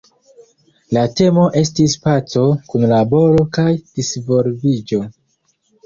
La temo estis "Paco, Kunlaboro kaj Disvolviĝo".